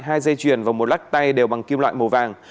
hai dây chuyền và một lắc tay đều bằng kim loại màu vàng